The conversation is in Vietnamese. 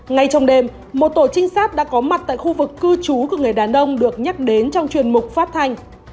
ngay trong đêm một tổ trinh sát đã có mặt tại khu vực cư trú của người đàn ông được nhắc đến trong chuyên mục phát thanh